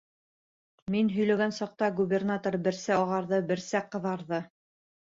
Мин һөйләгән саҡта губернатор берсә ағарҙы, берсә ҡыҙарҙы.